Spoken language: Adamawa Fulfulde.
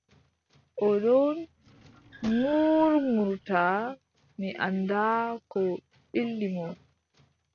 O ɗon ŋuurŋuurta, mi anndaa Ko ɓilli mo.